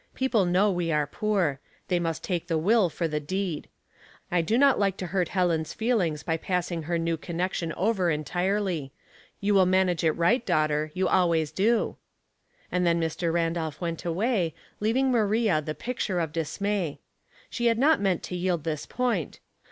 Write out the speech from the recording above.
People know we are poor. They must take the will for the deed. I do not like to hurt Helen's feelings by passing her new connection over en tirely. You will manage it riglit, daughter; you always do," and then Mr. Randolph went away, leaving Maria the picture of dismay. She had not meant to yield this point.